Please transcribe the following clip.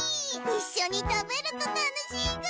いっしょにたべるとたのしいぐ！